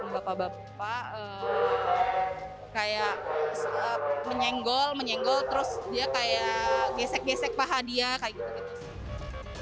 bapak bapak kayak menyenggol menyenggol terus dia kayak gesek gesek paha dia kayak gitu gitu